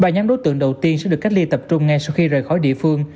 ba nhóm đối tượng đầu tiên sẽ được cách ly tập trung ngay sau khi rời khỏi địa phương